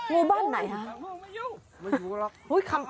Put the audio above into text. งูบ้านไหนคะ